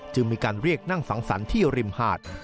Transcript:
มีการเรียกนั่งสังสรรค์ที่ริมหาด